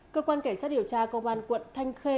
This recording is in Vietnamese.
cơ quan cảnh sát điều tra công an quận thanh khê